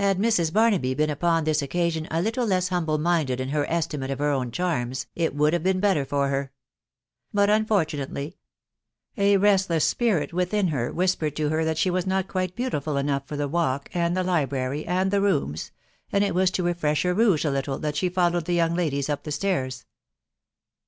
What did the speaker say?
Had Mrs. Barnaby been upon this occasion a little leu humble minded in her estimate of her own charms, it would have been better for her ; but, unfortunately, a restless spirit within whispered to her that she was not quite beautiful enough for the " walk," and the " library," and the €S rooms,*' and it was to refresh her rouge a little, that she followed the young ladies up stairs.